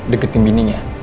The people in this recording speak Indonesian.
deket tim binning ya